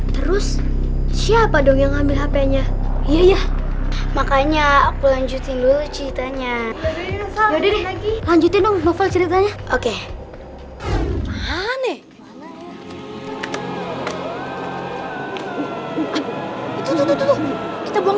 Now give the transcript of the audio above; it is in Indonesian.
berdua yuk pulang